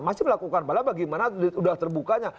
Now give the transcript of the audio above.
masih melakukan malah bagaimana sudah terbukanya